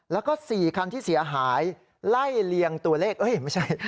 แล้วก็๔คันที่เสียหายไล่เลียงตัวเลขเอ้ยไม่ใช่